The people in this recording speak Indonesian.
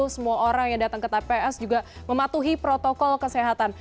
semua orang yang datang ke tps juga mematuhi protokol kesehatan